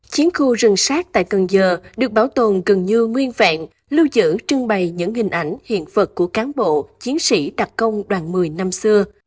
chiến khu rừng sát tại cần giờ được bảo tồn gần như nguyên vẹn lưu giữ trưng bày những hình ảnh hiện vật của cán bộ chiến sĩ đặc công đoàn một mươi năm xưa